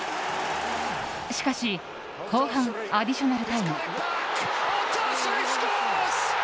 しかし後半アディショナルタイム。